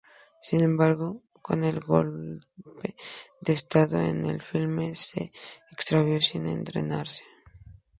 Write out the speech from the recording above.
Sin embargo, con el golpe de Estado el filme se extravió sin estrenarse.